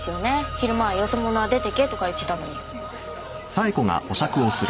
昼間はよそ者は出てけとか言ってたのに。